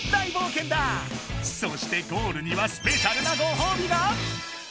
そしてゴールにはスペシャルなごほうびが！